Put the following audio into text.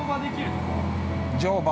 乗馬？